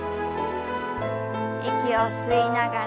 息を吸いながら。